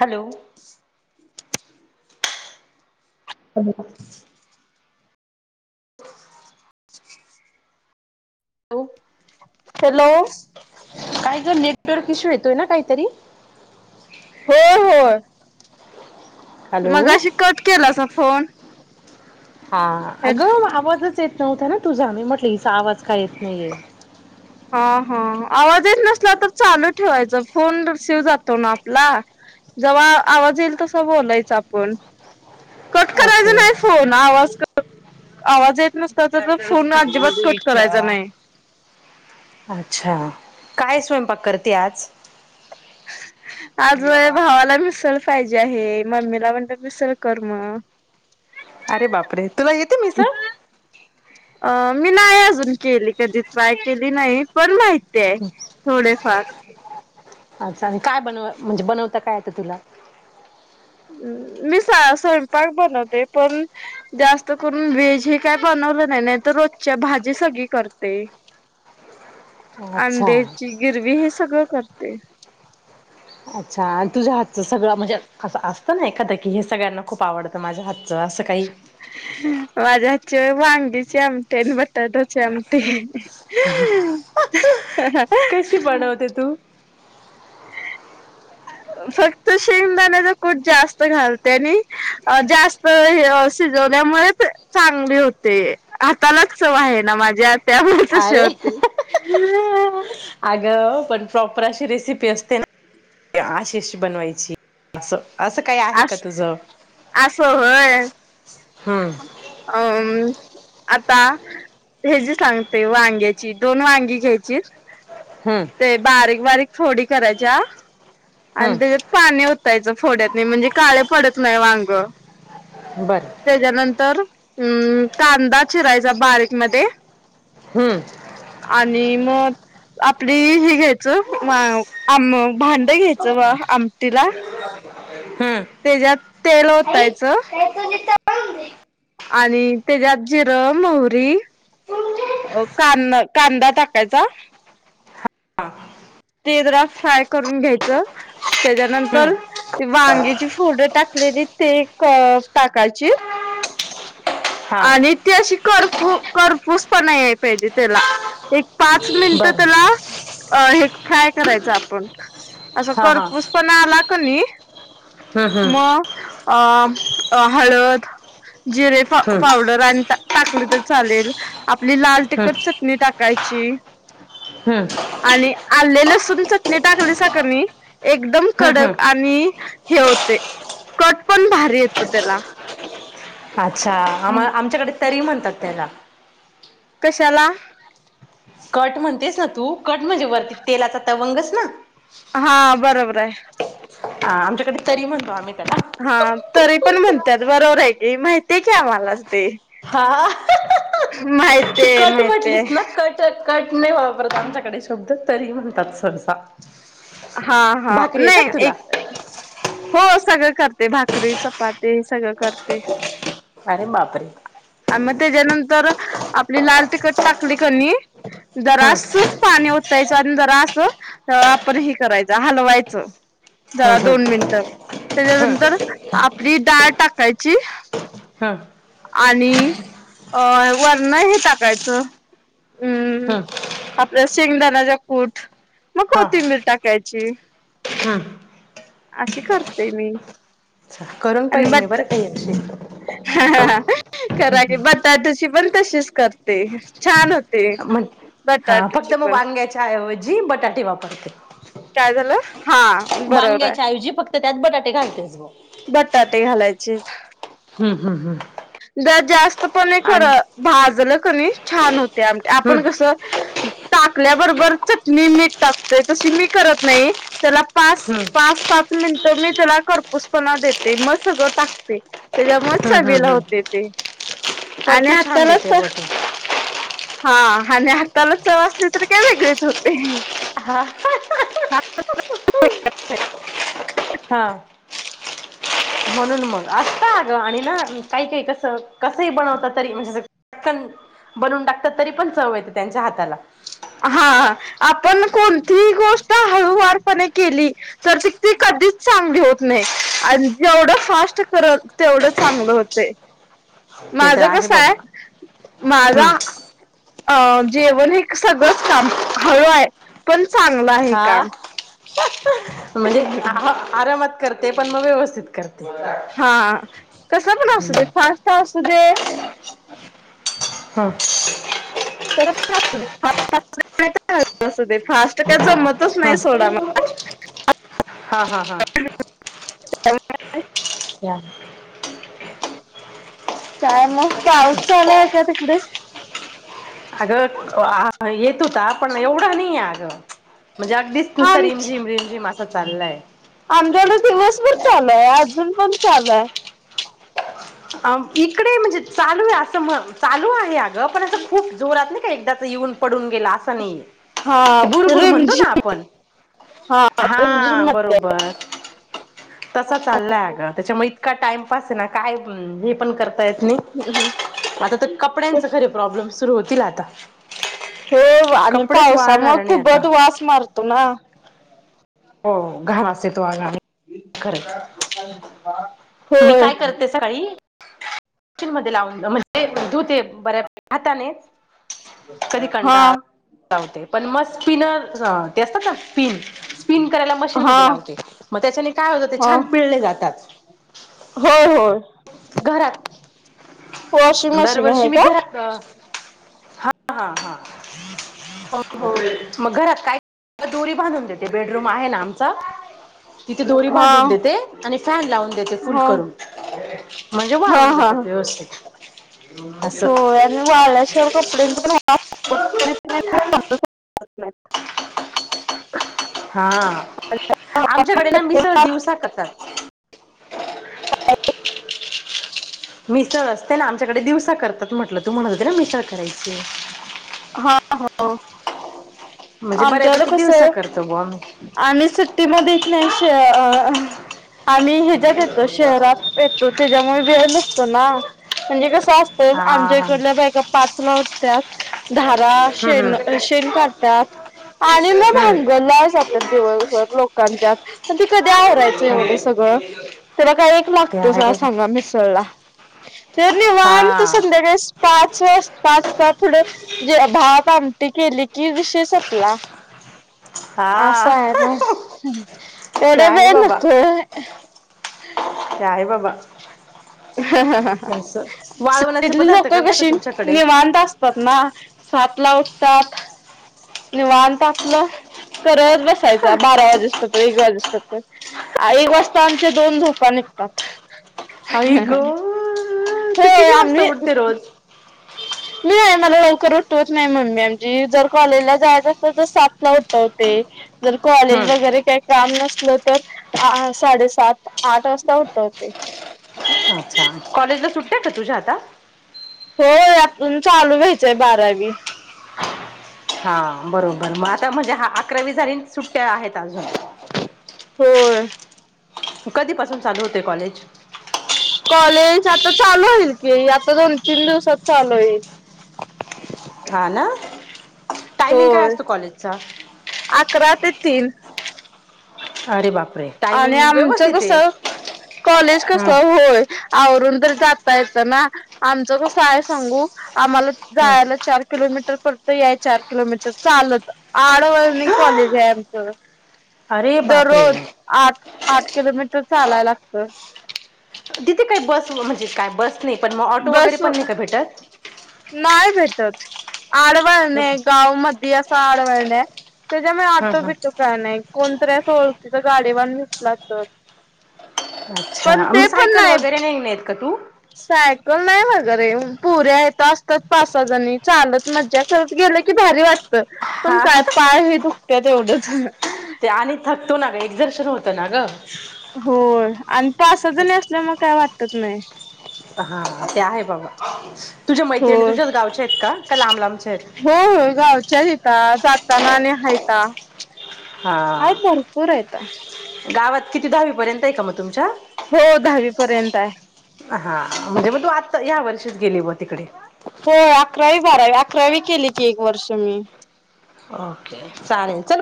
Hello. हो [unintelligible] हो [unintelligible] hello hello [unintelligible] काय ग जर [unintelligible] नेटवर्क इश्यू येतोय ना काहीतरी हो हो. हॅलो मग अशी कट केला सा फोन. हा अगं आवाजच येत नव्हता, ना तुझा मी म्हटलं हिचा आवाज काय येत नाहीये हा हा आवाजच नसला तर चालू ठेवायच फोन रिसीव्ह जातो ना, आपला. जेव्हा आवाज येईल तसा बोलायचं आपण. कट करायच ओके नाही फोन आवाज आवाज येत नसताचा, तर फोन अजिबात कट करायचा नाही. अच्छा काय स्वयंपाक करते आज? [unintelligible] आज भावाला मिसळ पाहिजे आहे. मम्मीला म्हटलं मिसळ कर मग अरे बापरे तुला येते मिसळ? अ मी नाही अजून केली कधी, ट्राय केली नाही पण माहिती ते थोडेफार अच्छा आणि काय बनव म्हणजे बनवता काय येतं तुला मी स्वयंपाक बनवते पण जास्त करून व्यज हे काय बनवलं नाही नाहीतं रोजच्या भाजी सगळी करते ह अंड्याची गिरवी हे सगळं करते अच्छा आणि तुझ्या हातचं सगळं म्हणजे असं असतं ना एखादं की हे सगळ्यांना खूप आवडतं माझ्या हात [unintelligible] वांगीचे आमटी आणि बटाटूचे आमटी [inaudible] [unintelligible] कशी बनवते तू ह फक्त शेंगदाण्याचा कूट जास्त घालते आणि अ जास्त हे सिजव त्यामुळेच चांगली होते हातालाच चव आहे ना माझ्या त्यामुळे तशी अरे होते अगं पण प्रॉपर अशी रेसिपी असते ना आशि अशी बनवायची असं असं काही आहे का अस तुझ असं होय. अम आता हे जी सांगते वांग्याची दोन वांगी घ्यायचीत हम्म ते बारीक बारीक फोडी करायच्या आणि हम्म त्याज्यात पाणी ओ तयाचं फोड्यातनी म्हणजे काळ पडत नाही वांग बरं तेज्यानंतर अम्म कांदा चिरायचा बारीकमध्ये हम्म आणि मग आपली ही घ्यायचं आ आम भांड घ्याय [unintelligible] आमटीला हम्म तेज्यात तेल आई ओतायचं काय तुझी तळून आणि तेज्यात जिरं मोहरी दे अ कांन कांदा टाकायचा हा ते जरा फ्राय करून घ्यायचं हम्म तेज्यानंतर ते वांगीची फोड टाकलेली ते क टाकायची [unintelligible] हा आणि ती अशी करफू करफूस पना याय पाहिजे तेला एक पाच मिनट ते बरं अ हे फ्राय करायचा आपण असं हा हा करपूस पण आला कनी हम्म हम्म मअ अ हळद जिरे हम्म पावडर आणि टाकली तर चालेल आपली लाल हम्म टिकट चटणी टाका ची हम्म आले लसूून चटणी टाकली साकनी एकदम हम्म हम्म कडक आणि हे होते कट पण भारी येतो त्याला अच्छा आम आमच्याकडे तरी म्हणतात त्याला कश्याला कट म्हणतेस ना तू कट म्हणजे वरती तेलाचा तवंगस ना हा बरोबर आय आ आमच्याकडे तरी म्हणतो आम्ही ते हा तरी पण म्हणत्यात बरोबर हाय की महितीय की आम्हाला ते हा ते माहितीय नाई वापरत आमच्याकडे शब्द तरी म्हणतात सरसा हा हा नाइ एक हो सगळं करते भाकरी चपाती सगळं करते अरे बापरे. आणि मग तेज्यानंतर आपली लाल तीखट टाकली कनी. हम्म जरासच पाणी ओतायचं आणि जरा असं आपर हे करायचा हलवायचं. झाल हम्म दोन मिनिटं हम्म तेज्यानंतर आपली डाळ टाकायची. हम्म आणि अ वरण हे टाकायचं. हम्म शेंगदान्याचा कूट मग कोथिंबीर टाकायची. हां अशी करते मी. करून आणि पाहिल मी बरं बटक काही अशी करा की बटाटूची पण तशीच करते छान हो म हा फक्त मग वांग्याच्या ऐवजी बटाटे वापरते. काय झाल? वांग्याच्या ऐवजी फक्त त्यात बटाटे घालतेस. बटाटे घालायचे. हम्म हम्म हम्म द जास्त पण हे ख आणि भाजलं कनी छान होते हम्म आपण कसं. टाकल्याबरोबर चटणी मीट टाकतोय तशी मी करत नाई. त्याला पास हम्म पास सात मिनिटं मी त्याला करपूसपणा देते मग सगळं टाकते. तेज्यामुळ हम्म हम्म हम्म. [unintelligible] ते ते पर आणि [inaudible] तू छान देते ब तू हा आणि हाताला चव असली तर काय वेगळीच होते. हां हां [unintelligible] म्हणून मग असता अग आणि ना काही काही कस कसंही बनवत तरी म्हणजे कन बनून टाकतात तरी पण चव येते त्यांच्या हाताला. हा आपण कोणतीही गोष्ट हळूवारपणे केली तर त ती कधीच चांगली होत नाही. आणि जेवढं फास्ट करल तेवढं चांगलं होतय. ते तर माझं आहे कस बाबा आय हम्म माझा अं जेवण हे सगळंच काम हळूय पण चांगलं आहे हा काम. म्हणजे आरामात करते पण मग व्यवस्थित करते. हा कस पण असू दे फास्ट असू दे. हम्म कसं पण असू दे [unintelligible] फास्ट काय जमत. हा हा हा हा [unintelligible] या काय मग पाऊस चालूय का तिकडे? अगं आ येत होता पण एवढा नाहीय अगं. म्हणजे अगदीच नुसत आम रिमझिम रिमझिम असं चाललाय. आमच्याकडे दिवसभर चालूय अजून पण चालूय. अव इकडे म्हणजे चालूय आहे असं चालू आहे अगं पण असं खूप जोरात नाही. एकदाच येऊन पडून गेला आसं नाही हा बुरुबुरु म्हणतो ना रिमझिम आपण. हा आ बरोबर. तसा चाललाय आग त्याच्यामुळे इतका टाइमपास आहे ना काय हे पण करता [unintelligible] आता तर कपड्यांच खरे प्रॉब्लेम सुरू होतील आता. हो हो आणि कपडेच पावसामुळ वाळणार नाही आता कुबट वास मारतो ना? हो घाण वास येतो. [inaudible] मी काय करते सकाळी [unintelligible] मध्ये लावून म्हणजे धुते बऱ्या हातानेच कधी हा कंटाळा [unintelligible] लावते. [unintelligible] ते असत का? स्पिन. स्पिन करायला हा मशीनमध्ये लावते हा म त्याच्याने काय होत ते छान पिळले जातात. होय होय. घरात, वॉशिंग मशीन दरवर्षी आहे मी का? घरात हा हा हा हा हा मग घरात काय? दोरी बांधून देते, बेडरूम आहे ना आमचा. तिथे दोरी बांधून देते आणि फॅन लावून देते. फुल करून. म्हणजे हा वाळून हा जातात, व्यवस्थित. असं होय आणि वाळल्याशिवाय कपड्यां पण [inaudible] म हा. आमच्याकडे ना, मीसळ दिवसा करतात. मिसळ असते ना आमच्याकडे दिवसा करतात म्हटलं. तू म्हणत होते ना मिसळ करायची हा हा. म्हणजे आमच्याकडं बऱ्यापैकी कस दिवसा करतो बुवा आम्ही आम्ही सुट्टीमध्ये येत नाही. अ अ अ आम्ही ह्याच्यात येतो, शहरात येतो, त्याच्यामुळे वेळ नसतो ना, म्हणजे कस असतो हा आमच्या हा इकडल्या बायका पाच ला उठतात. धारा, हम्म शेण, हम्म शेण काढतात. आणि मग भानगड हम्म लावायला जातात दिवसभर लोकांच्यात, तर मग कधी आवरायचं एवढं हम्म सगळं. त्याला काई एक ते लागत आहे बघ सांगा मिसळला? ते निवांत हा संद्याकाळी पाच - वा - पाच ला थोडं भात आमटी केली, कि विषय संपला. अस हा आहे ना, एवढ ते आहे वेळ बाबा नको. ह [inaudible] हं हं हं हां सत्तेतली पदार्थ लोकं करता का कशी तुमच्याकडे? निवांत असतात ना. सात ला उठतात. निवांत आपलं करत बसायच, बारा वाजेस पर तर एक वाजेस पर तर एक वाजता आमच्या दोन झोपा नी त्यात. आई हं ग हं तू होय किती वाजता आम्ही उठते रोज? मी आहे ना लवकर उठवत नाही, मम्मी आमची. जर कॉलेजला जायच असतं तर सात ला उठवते. जर कॉलेज हम्म वगैरे काही काम नस ले तर साडेसात आठ वासता उठवते. अच्छा. कॉलेजला सुट्ट्या आहेत का तुझ्या आता? होय. आजुन चालू होयचय बारावी. हा बरोबर. म म्हणजे हा आता अकरावी झाली आणि सुट्ट्या आहेत अजून. होय.. कधीपासून चालू होतय कॉलेज? कॉलेज आता चालू होईल की. आता दोन तीन दिवसात चालू होईल. हा ना, टायमिंग काय होय असतो कॉलेजचा? अकरा ते तीन. अरे बाप! आणि आमचं कस कॉलेज कस हम्म होय. आवरून तर जाता येतं ना, आमचं कसं आहे सांगू आम्हाला हम्म जायला चार किलोमीटर परत या चार किलोमीटर चालत आडवणीत कॉलेज आहे आमचं. अरे बापरे! दररोज आठ किलोमीटर चालाय लागत. तिथे काही बस, म्हणजे काय बस नाही, पण मग ऑटो वगैरे बस पण नाही का भेटत? नाही भेटत. आडवळण हम्म आहे गाव मध्ये असं आडवळण त्याच्यामुळे ऑटो हम्म. बिटो काय नाही कोणतरी अस ओळखीच गाडीवरन भेटला तर अच्छा पण म ते पण सायकल नाही वगैरे नाहीे नाहीेत का तू [unintelligible] सायकल नाही वगैरे पुऱ्या येत असतात पाच सहा जणी चालत मज्जा करत गेले कती भारी वाटत पण हा काय पाय हे दुखत एवढंच ते आणि थकतो ना ग, एक दर्शन होतऽऽ होय, आणि पा सा जणी असल्यामुळे काय वाटतत नाय. हा,, ते आहे बाबा! तुझ्या मैत्रिणी होय तुझ्याच गावच्या आहेत का,, का लांब, लांबच्या आयेत. आं जाताना आणि हायता,, हा आहीत भरपूर हायता. गावात किती दहावी पर्यंत आहे का मग तुमच्याऽऽ हो दहावी पर्यंत आहे हा,, म्हणजे मग तू आत्ता, ह्या वर्षीच गेली व तिकडे. हो अकरावी बारावी, अकरावी केली की एक वर्ष मी. ओके, चालेल चल.